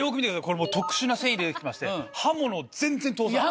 これ特殊な繊維で出来てまして刃物を全然通さない。